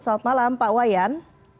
saat malam pak wayan